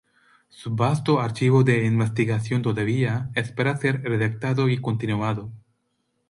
Su vasto archivo de investigación todavía espera ser redactado y continuado.